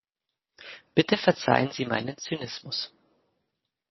Bitte verzeihen Sie meinen Zynismus.